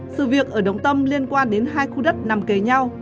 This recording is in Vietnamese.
sự việc ở đồng tâm liên quan đến hai khu đất nằm kề nhau